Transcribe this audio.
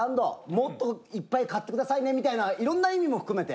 もっといっぱい買ってくださいねみたいな色んな意味も含めて。